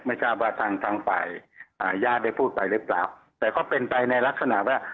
ไม่ทราบว่าทางทางฝ่ายอ่าญาติได้พูดไปหรือเปล่าแต่ก็เป็นไปในลักษณะว่า